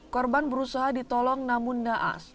korban berusaha ditolong namun naas